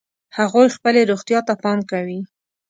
هغوی خپلې روغتیا ته پام کوي